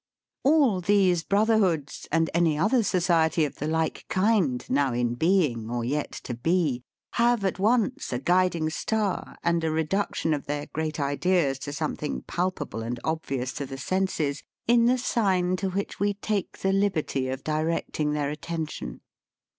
All these Brotherhoods, and any other society of the like kind, now in being or yet to be, have at once a guiding star, and a reduction of their great ideas to something palpable and obvious to the senses, in the sign to which we take the liberty of directing their attention.